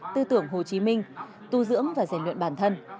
tư tưởng hồ chí minh tu dưỡng và rèn luyện bản thân